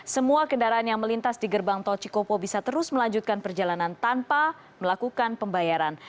semua kendaraan yang melintas di gerbang tol cikopo bisa terus melanjutkan perjalanan tanpa melakukan pembayaran